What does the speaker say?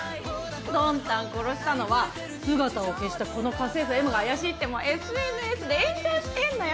ドンタンを殺したのは姿を消したこの家政婦Ｍが怪しいってもうＳＮＳで炎上してるのよ！